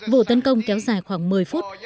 vụ tấn công kéo dài khoảng một mươi phút